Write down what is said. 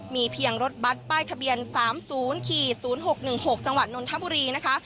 มีเพียงรถบัตรป้ายทะเบียน๓๐๐๖๑๖จังหวัดนนทบุรีนะคะ